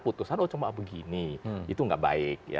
putusan oh cuma begini itu nggak baik